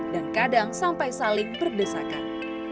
dan kadang sampai saling berdesakan